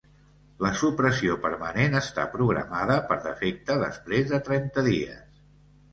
La supressió permanent està programada per defecte després de trenta dies.